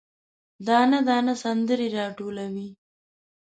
دانه، دانه سندرې، راټولوي